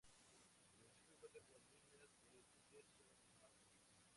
El municipio cuenta con minas de yeso y mármol.